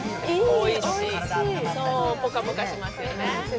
おいしい、ポカポカしますよね。